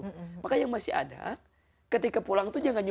jadi maka yang masih ada ketika pulang jangan boil orang tua gitu